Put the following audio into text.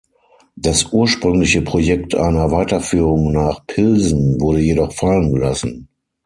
Das ursprüngliche Projekt einer Weiterführung nach Pilsen wurde jedoch fallengelassen.